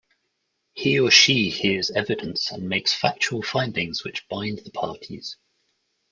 He or she hears evidence and makes factual findings which bind the parties.